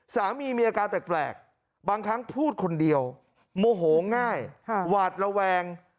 สามีมีอาการแปลกบางครั้งพูดคนเดียวโมโหง่ายหวาดระแวง